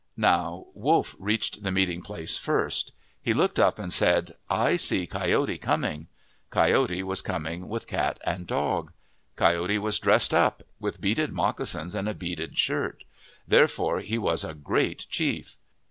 Now Wolf reached the meeting place first. He looked up and said, " I see Coyote coming." Coyote was coming with Cat and Dog. Coyote was dressed up, with beaded moccasins and a beaded shirt. There fore he was a great chief.